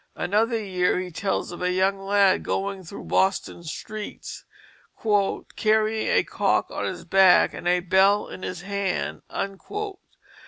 Another year he tells of a young lad going through Boston streets "carrying a cock on his back and a bell in his hand."